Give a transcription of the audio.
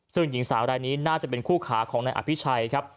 ซึ่งหญิงสาวรายนี้น่าจะเป็นคู่ขาของนายอภิชัยครับ